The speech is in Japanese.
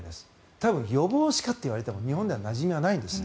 多分、予防歯科といわれても日本ではなじみがないです。